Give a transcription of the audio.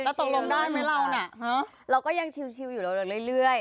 เราก็ต้องเริ่มเริ่มแล้วยังชิลอยู่เรื่อย